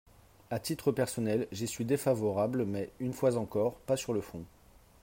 À titre personnel, j’y suis défavorable mais, une fois encore, pas sur le fond.